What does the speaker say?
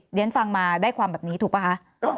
นี่ท่านฟังมาได้ความแบบนี้ถูกปะฮะ